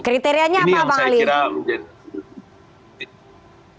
kriteriannya apa pak ali